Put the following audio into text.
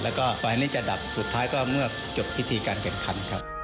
แล้วก็ไฟล์นี้จะดับสุดท้ายก็เมื่อจบพิธีการแข่งขันครับ